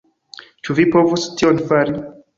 Ĉu vi povus tion fari?